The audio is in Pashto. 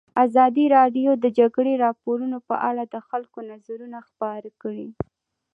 ازادي راډیو د د جګړې راپورونه په اړه د خلکو نظرونه خپاره کړي.